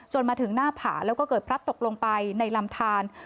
มาถึงหน้าผาแล้วก็เกิดพลัดตกลงไปในลำทาน